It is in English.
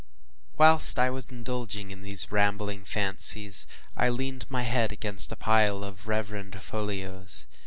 Whilst I was indulging in these rambling fancies I had leaned my head against a pile of reverend folios.